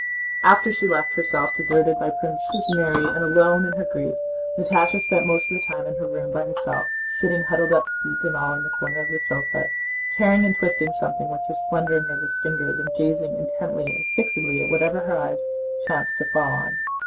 After she felt herself deserted by Princes Mary and alone in her grief, Natásha spent most of the time in her room by herself, sitting huddled up feet and all in the corner of the sofa, tearing and twisting something with her slender nervous fingers and gazing intently and fixedly at whatever her eyes chanced to fall on.